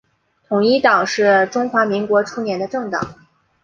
统一党是中华民国初年的政党。